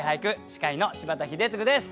司会の柴田英嗣です。